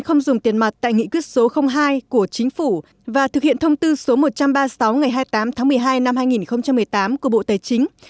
không dùng tiền mặt tại nghị quyết số hai của chính phủ và thực hiện thông tư số một trăm ba mươi sáu ngày hai mươi tám tháng một mươi hai năm hai nghìn một mươi tám của bộ tài chính